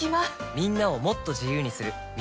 みんなをもっと自由にする「三菱冷蔵庫」